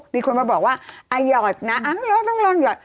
มีคนมาบอกว่าหยอดนะเราต้องลองหยอด